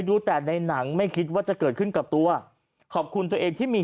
ดูแต่ในหนังไม่คิดว่าจะเกิดขึ้นกับตัวขอบคุณตัวเองที่มี